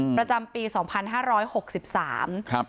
ประจำปีสองพันห้าร้อยหกสิบสามครับ